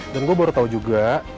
dan gue baru tau juga